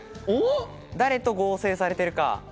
誰と合成されているか？